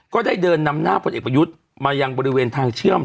ก็ได้เดินนำหน้าพลเอกประยุทธ์มายังบริเวณทางเชื่อม